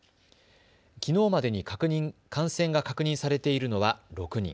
きのうまでに感染が確認されているのは６人。